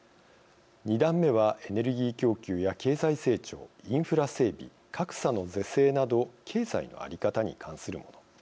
２段目は「エネルギー供給」や「経済成長」「インフラ整備」「格差の是正」など経済の在り方に関するもの。